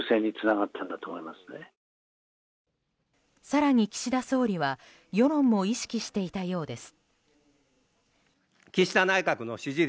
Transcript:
更に、岸田総理は世論も意識していたようです。